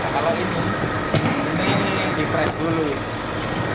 kalau ini yang di press dulu